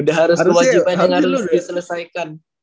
udah harus kewajipannya dulu diselesaikan